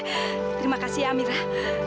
terima kasih ya amirah